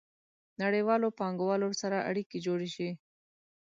نړیوالو پانګوالو سره اړیکې جوړې شي.